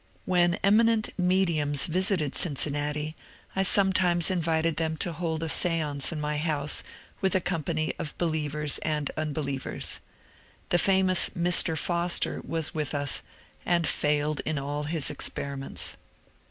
When eminent ^^ mediums " visited Cincinnati I sometimes invited them to hold a stance in my house with a company of believers and unbelievers. The famous Mr. Foster was with us and failed in all his experiments.